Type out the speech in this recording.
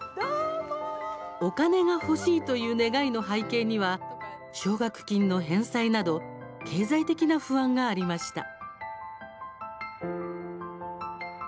お金が欲しいという願いの背景には、奨学金の返済など経済的な不安がありました。